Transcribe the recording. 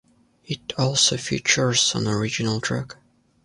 It also features one original track.